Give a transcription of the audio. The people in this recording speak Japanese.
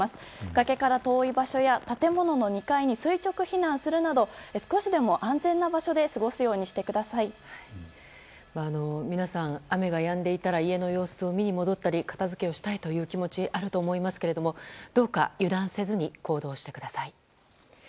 崖から遠い場所や建物の２階に垂直避難するなど少しでも安全な場所で皆さん、雨がやんでいたら家の様子を見に戻ったり片づけをしたい気持ちがあると思いますがどうか油断せずに行動してください。